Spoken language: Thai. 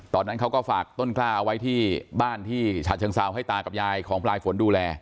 ตอนนั้นเขาก็ฝากต้นกล้าเอาไว้ที่บ้านที่ฉะเชิงเซาให้ตากับยายของปลายฝนดูแล